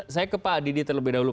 saya ke pak didi terlebih dahulu